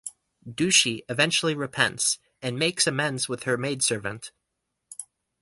Dushi eventually repents and makes amends with her maidservant.